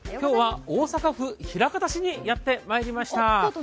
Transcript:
今日は大阪府枚方市にやってまいりました。